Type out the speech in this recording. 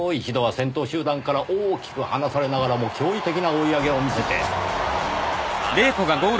一度は先頭集団から大きく離されながらも驚異的な追い上げを見せて。